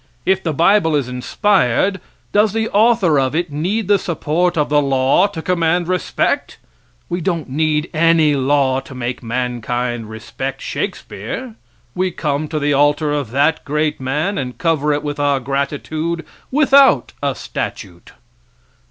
If the bible is inspired, does the author of it need the support of the law to command respect? We don't need any law to make mankind respect Shakespeare. We come to the altar of that great man and cover it with our gratitude without a statute.